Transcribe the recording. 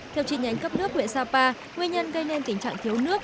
theo chi nhánh cấp nước huyện sapa nguyên nhân gây nên tình trạng thiếu nước